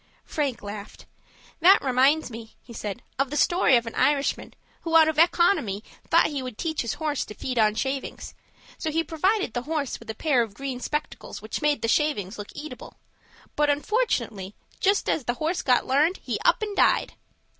Frank laughed. "That reminds me," he said, "of the story of an Irishman, who, out of economy, thought he would teach his horse to feed on shavings. So he provided the horse with a pair of green spectacles which made the shavings look eatable. But unfortunately, just as the horse got learned, he up and died."